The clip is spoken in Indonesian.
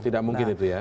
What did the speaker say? tidak mungkin itu ya